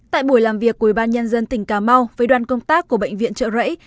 tại buổi làm việc của ubnd tỉnh cà mau với đoàn công tác của bệnh viện trợ rẫy